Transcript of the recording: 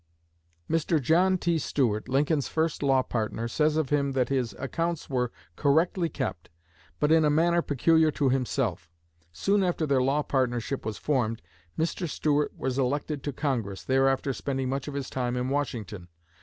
Mr. John T. Stuart, Lincoln's first law partner, says of him that his accounts were correctly kept, but in a manner peculiar to himself. Soon after their law partnership was formed, Mr. Stuart was elected to Congress, thereafter spending much of his time in Washington.